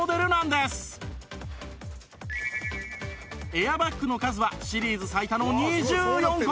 エアバッグの数はシリーズ最多の２４個！